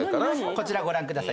こちらご覧ください。